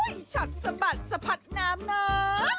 อุ๊ยฉันสะบัดสะผัดน้ำนอน